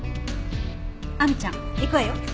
亜美ちゃん行くわよ。